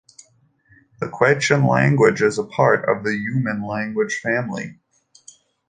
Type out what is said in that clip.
The Quechan language is part of the Yuman language family.